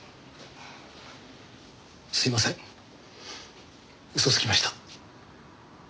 すいません嘘つきました。